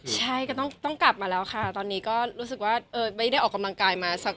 ใช่ก็ต้องกลับมาแล้วค่ะตอนนี้ก็รู้สึกว่าไม่ได้ออกกำลังกายมาสัก